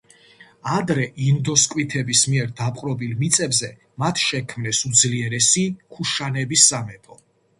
ადრე ინდო–სკვითების მიერ დაპყრობილ მიწებზე მათ შექმნეს უძლიერესი ქუშანების სამეფო.